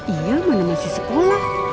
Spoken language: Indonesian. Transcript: iya mana masih sekolah